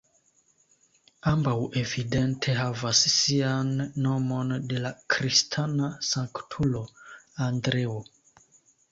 Ambaŭ evidente havas sian nomon de la kristana sanktulo Andreo.